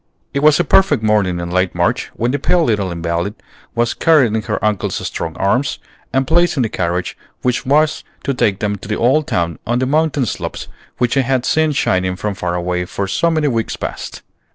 It was a perfect morning in late March when the pale little invalid was carried in her uncle's strong arms, and placed in the carriage which was to take them to the old town on the mountain slopes which they had seen shining from far away for so many weeks past.